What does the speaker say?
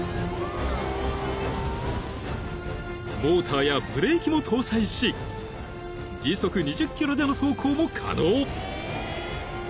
［モーターやブレーキも搭載し時速２０キロでの走行も可能］